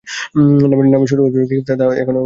নামের সঠিক অর্থটি কী তা এখনও অমীমাংসিত।